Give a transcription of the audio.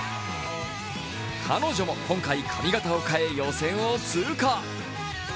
彼女も今回、髪形を変え、予選を通過。